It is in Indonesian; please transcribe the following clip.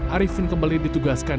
arifin kembali ditugaskan